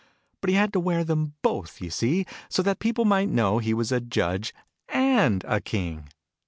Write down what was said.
But he had to wear them both, you see, so that people might know he was a Judge and a King.